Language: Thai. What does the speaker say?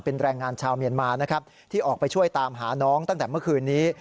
เป็นแรงงานชาวเมียนมานะครับที่ออกไปช่วยตามหาน้องตั้งแต่เมื่อคืนนี้